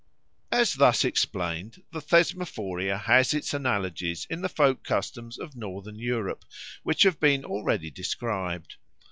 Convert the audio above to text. As thus explained, the Thesmophoria has its analogies in the folk customs of Northern Europe which have been already described.